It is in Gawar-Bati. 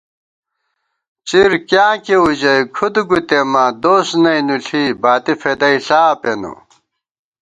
څِر کیاں کېئیؤژَئی کھُد گُتېماں ، دوس نئ نُݪی، باتی فېدَئیݪا پېنہ